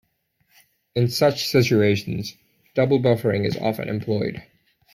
In such situations, double buffering is often employed.